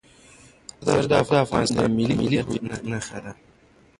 زردالو د افغانستان د ملي هویت نښه ده.